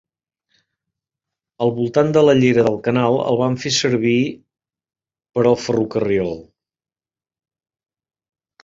Al voltant de la llera del canal el van fer servir per al ferrocarril.